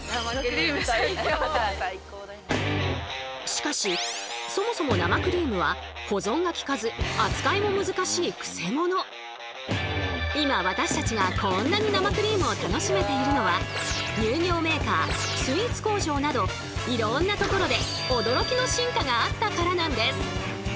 しかしそもそも生クリームは今私たちがこんなに生クリームを楽しめているのは乳業メーカースイーツ工場などいろんなところで驚きの進化があったからなんです。